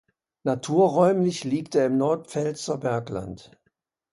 Naturräumlich liegt er im Nordpfälzer Bergland.